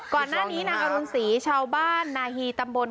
ก่อนหน้านี้นางอรุณศรีชาวบ้านนาฮีตำบล